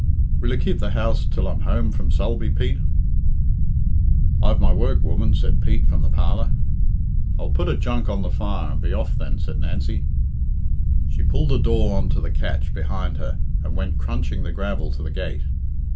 "Will you keep the house till I'm home from Sulby, Pete?" "I've my work, woman," said Pete from the parlour. "I'll put a junk on the fire and be off then," said Nancy. She pulled the door on to the catch behind her and went crunching the gravel to the gate.